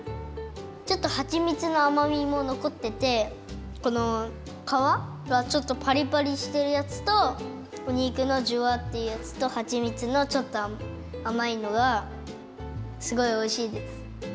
ちょっとはちみつのあまみものこっててこのかわがちょっとパリパリしてるやつとおにくのジュワッていうやつとはちみつのちょっとあまいのがすごいおいしいです。